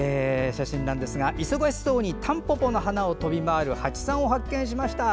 忙しそうにたんぽぽの花を飛び回るハチさんを発見しました。